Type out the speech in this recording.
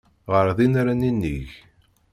Ɣer din ara ninig.